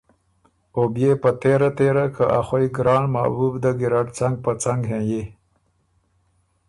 او بيې په تېره تېره که ا خوئ ګران محبوب ده ګیرډ څنګ په څنګ هېنئی